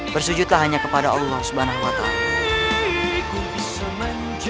bersujudlah hanya kepada allah subhanahu wa ta'ala